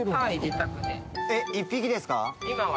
えっ、１匹ですか？